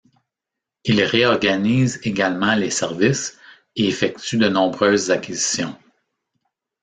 Il réorganise également les services et effectue de nombreuses acquisitions.